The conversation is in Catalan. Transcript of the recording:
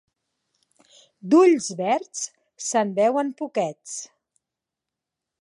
D'ulls verds se'n veuen poquets.